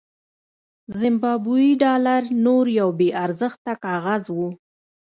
زیمبابويي ډالر نور یو بې ارزښته کاغذ و.